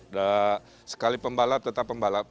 udah sekali pembalap tetap pembalap